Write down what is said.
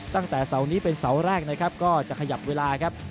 ตั้งแต่เสาร์นี้เป็นเสาแรกนะครับก็จะขยับเวลาครับ